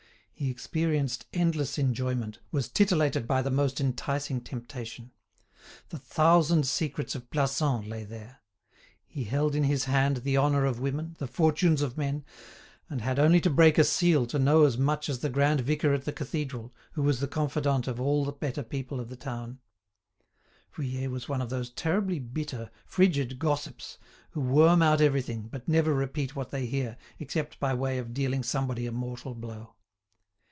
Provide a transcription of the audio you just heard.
He experienced endless enjoyment, was titillated by the most enticing temptation. The thousand secrets of Plassans lay there. He held in his hand the honour of women, the fortunes of men, and had only to break a seal to know as much as the grand vicar at the cathedral who was the confidant of all the better people of the town. Vuillet was one of those terribly bitter, frigid gossips, who worm out everything, but never repeat what they hear, except by way of dealing somebody a mortal blow.